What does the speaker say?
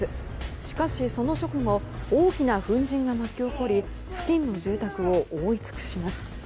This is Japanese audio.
しかし、その直後大きな粉じんが巻き起こり付近の住宅を覆い尽くします。